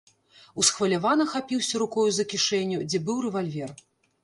Усхвалявана хапіўся рукою за кішэню, дзе быў рэвальвер.